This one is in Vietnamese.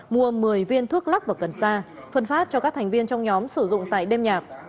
mua một mươi viên thuốc lắc và cần sa phân phát cho các thành viên trong nhóm sử dụng tại đêm nhạc